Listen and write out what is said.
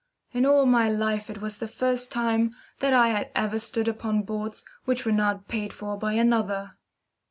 In all my life it was the first time that I had ever stood upon boards which were not paid for by another.